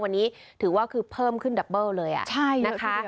วันนี้ถือว่าคือเพิ่มขึ้นดับเบิ้ลเลยนะคะ